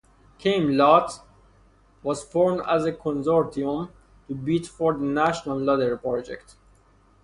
Camelot was formed as a consortium to bid for the National Lottery project.